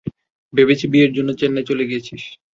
ভেবেছি বিয়ের জন্য চেন্নাই চলে গিয়েছিস।